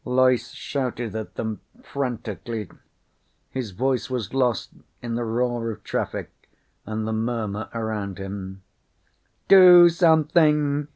Loyce shouted at them frantically. His voice was lost in the roar of traffic and the murmur around him. "Do something!"